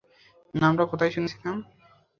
নামটা কোথায় শুনেছিলাম?